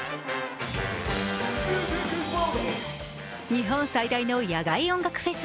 日本最大の野外音楽フェス